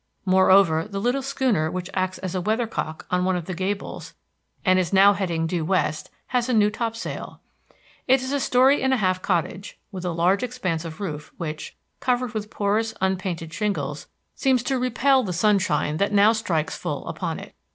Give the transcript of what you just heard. Moreover, the little schooner which acts as weather cock on one of the gables, and is now heading due west, has a new top sail. It is a story and a half cottage, with a large expanse of roof, which, covered with porous, unpainted shingles, seems to repel the sunshine that now strikes full upon it.